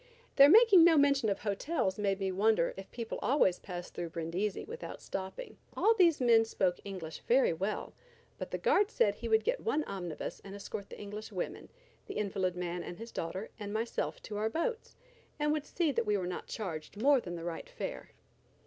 Their making no mention of hotels led me to wonder if people always passed through Brindisi without stopping. All these men spoke English very well, but the guard said he would get one omnibus and escort the English women, the invalid man and his daughter, and myself to our boats, and would see that we were not charged more than the right fare.